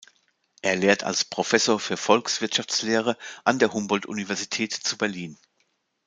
Er lehrt als Professor für Volkswirtschaftslehre an der Humboldt-Universität zu Berlin.